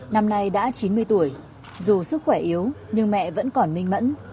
năm nay đã chín mươi tuổi dù sức khỏe yếu nhưng mẹ vẫn còn minh mẫn